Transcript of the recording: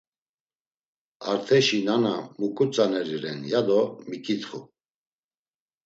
Arteşi nana muǩu tzaneri ren ya do miǩitxu.